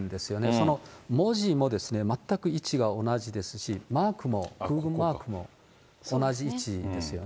その文字も全く位置が同じですし、マークも、空軍マークも同じ位置ですよね。